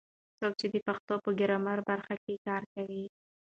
څوک د پښتو ګرامر په برخه کې کار کوي؟